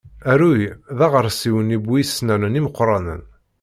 Aruy d aɣersiw-nni bu isennanen imeqqranen.